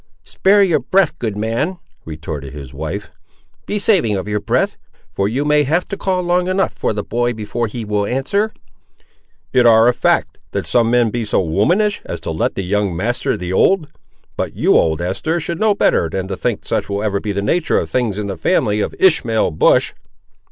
"Spare your breath, good man," retorted his wife; "be saving of your breath; for you may have to call long enough for the boy before he will answer!" "It ar' a fact, that some men be so womanish, as to let the young master the old! But, you, old Esther, should know better than to think such will ever be the nature of things in the family of Ishmael Bush."